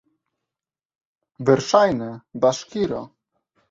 Verŝajne, baŝkiro!